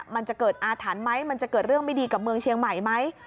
มันจะเกิดอาถรรพ์ไหมมันจะเกิดเรื่องไม่ดีกับเมืองเชียงใหม่ไหม